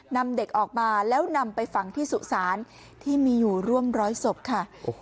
นำเด็กออกมาแล้วนำไปฝังที่สุสานที่มีอยู่ร่วมร้อยศพค่ะ